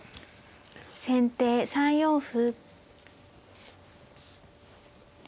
先手３四歩。